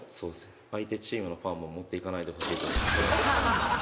相手チームのファンも持っていかないでほしいと。